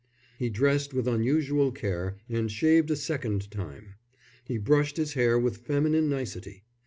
He dressed with unusual care and shaved a second time; he brushed his hair with feminine nicety.